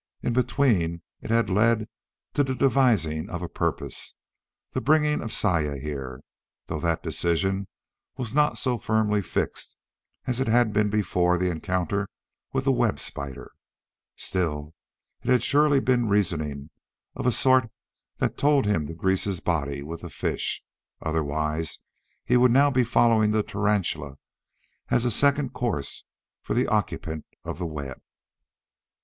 In between it had led to the devising of a purpose the bringing of Saya here though that decision was not so firmly fixed as it had been before the encounter with the web spider. Still, it had surely been reasoning of a sort that told him to grease his body with the fish. Otherwise he would now be following the tarantula as a second course for the occupant of the web.